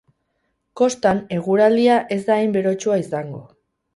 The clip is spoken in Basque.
Kostan, eguraldia ez da hain berotsua izango.